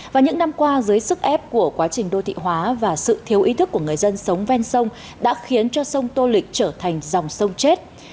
và những năm qua dưới sức ép của quá trình đô thị hóa và sự thiếu ý thức của người dân sống ven sông đã khiến cho sông tô lịch trở thành dòng sông chết